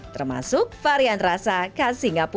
termasuk varian rasa yang berbeda dan berbeda dengan rasa yang lainnya